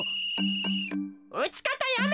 ピ！うちかたやめ。